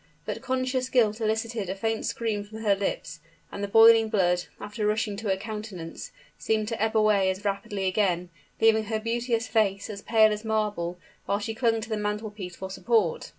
But conscious guilt elicited a faint scream from her lips; and the boiling blood, after rushing to her countenance, seemed to ebb away as rapidly again leaving her beauteous face as pale as marble; while she clung to the mantel piece for support.